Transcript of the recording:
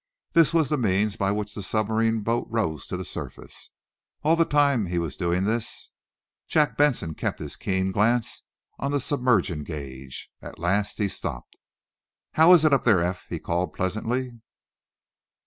This was the means by which the submarine boat rose to the surface. All the time that he was doing this, Jack Benson kept his keen glance on the submersion gauge. At last he stopped. "How is it up there, Eph?" he called, pleasantly.